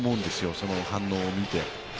その反応を見て。